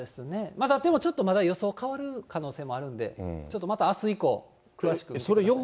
まだでもちょっと予想変わる可能性もあるんで、ちょっとまたあす以降、詳しく。